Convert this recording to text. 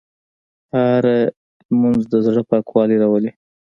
هره لمونځ د زړه پاکوالی راولي.